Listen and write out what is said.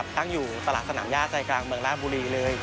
ตั้งอยู่ตลาดสนามย่าใจกลางเมืองราชบุรีเลย